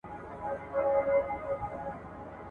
میندې باید د وینې کمښت ته پام وکړي.